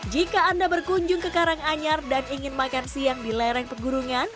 jika anda berkunjung ke karanganyar dan ingin makan siang di lereng pegunungan